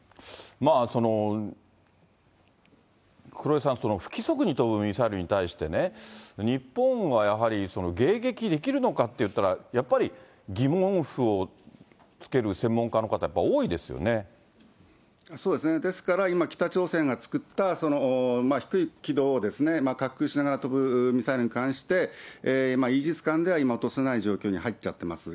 まあ、黒井さん、不規則に飛ぶミサイルに対してね、日本はやはり迎撃できるのかっていったら、やっぱり疑問符をつける専門家の方、そうですね、ですから今、北朝鮮が作った低い軌道を滑空しながら飛ぶミサイルに関して、イージス艦では今、落とせない状況に入っちゃってます。